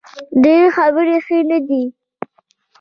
ډیرې خبرې ښې نه دي